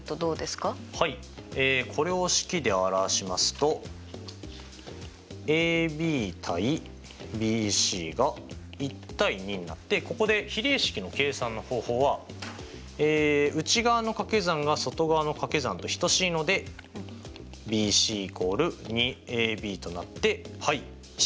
はいこれを式で表しますとになってここで比例式の計算の方法は内側の掛け算が外側の掛け算と等しいのでＢＣ＝２ＡＢとなってはい式で表すことができました。